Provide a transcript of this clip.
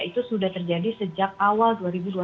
itu sudah terjadi sejak awal dua ribu dua puluh